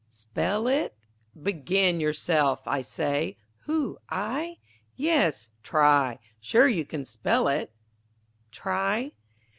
Spell it. Begin yourself, I say. Who, I? Yes, try. Sure you can spell it. _Try.